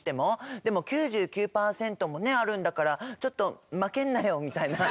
でも９９％もねあるんだからちょっと「負けんなよ」みたいな。